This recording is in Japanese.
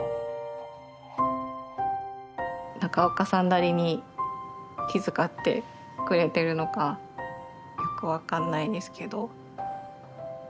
なりに気遣ってくれてるのかよく分かんないですけど。